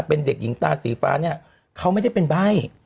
เป็นเด็กหญิงตาสีฟ้าเนี่ยเขาไม่ได้เป็นใบ้